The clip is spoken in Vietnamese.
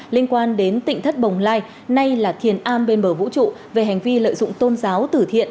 liên quan đến tỉnh thất bồng lai nay là thiền a bên bờ vũ trụ về hành vi lợi dụng tôn giáo tử thiện